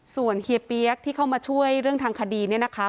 ส่วนเฮียเปี๊ยกที่เข้ามาช่วยเรื่องทางคดีเนี่ยนะคะ